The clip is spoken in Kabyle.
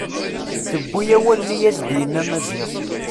Tewwi awalen i as-d-yenna Maziɣ.